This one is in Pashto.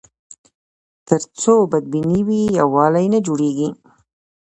تر څو بدبیني وي، یووالی نه جوړېږي.